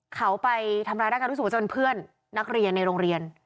เขาไปทำร้ายร่างกายรู้สึกว่าจนเพื่อนนักเรียนในโรงเรียน